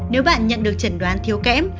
nếu bạn nhận được chẩn đoán thiếu kém